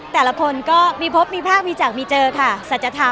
แต่ละคนก็มีพบมีภาคมีจักรมีเจอค่ะสัจธรรม